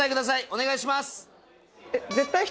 お願いします